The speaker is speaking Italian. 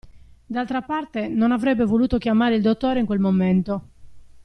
D'altra parte, non avrebbe voluto chiamare il dottore in quel momento.